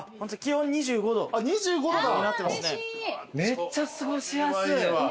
めっちゃ過ごしやすい。